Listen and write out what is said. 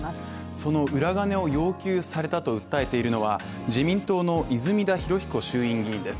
その裏金を要求されたと訴えているのは自民党の泉田裕彦衆院議員です。